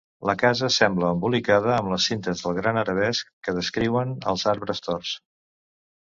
La casa sembla embolicada amb les cintes dels grans arabescs que descriuen els arbres torts.